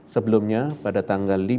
sebelumnya pada tanggal